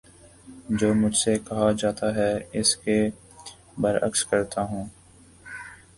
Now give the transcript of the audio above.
جو مجھ سے کہا جاتا ہے اس کے بر عکس کرتا ہوں